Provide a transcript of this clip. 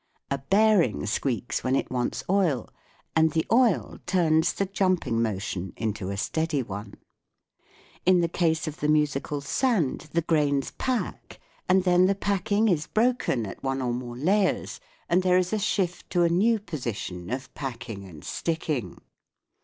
A bearing squeaks when it wants oil ; and the oil turns the jumping motion into a steady one. In the case of the musical sand the grains pack, and then the packing is broken at one or more layers and there is a shift to a new position of packing and sticking.